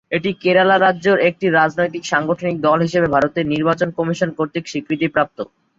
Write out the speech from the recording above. এটি কেরালা রাজ্যর একটি রাজনৈতিক সাংগঠনিক দল হিসেবে ভারতের নির্বাচন কমিশন কর্তৃক স্বীকৃতিপ্রাপ্ত।